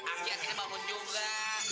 agi dua nya bangun juga